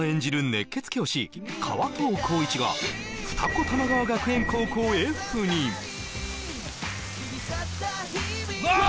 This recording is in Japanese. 熱血教師川藤幸一が二子玉川学園高校へ赴任ＧＯ！